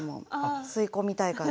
吸い込みたい感じ。